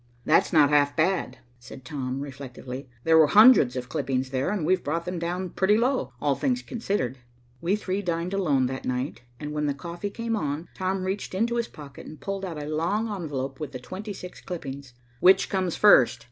"That's not half bad," said Tom reflectively. "There were hundreds of clippings there, and we've brought them down pretty low, all things considered." We three dined alone that night, and when the coffee came on, Tom reached into his pocket and pulled out a long envelope with the twenty six clippings. "Which comes first?"